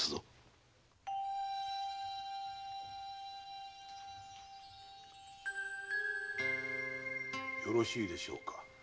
・よろしいでしょうか。